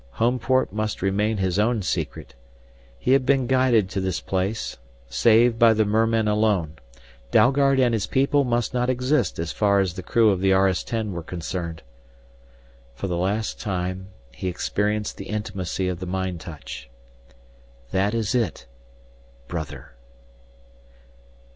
Homeport must remain his own secret. He had been guided to this place, saved by the mermen alone. Dalgard and his people must not exist as far as the crew of the RS 10 were concerned. For the last time he experienced the intimacy of the mind touch. "That is it brother!"